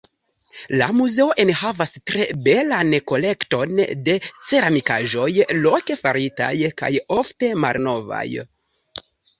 La muzeo enhavas tre belan kolekton da ceramikaĵoj, loke faritaj kaj ofte malnovaj.